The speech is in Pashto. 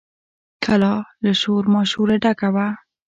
کلا له شور ماشوره ډکه وه.